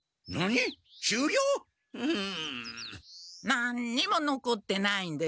何にものこってないんです。